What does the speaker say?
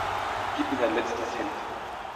Gib mir dein letztes Hemd!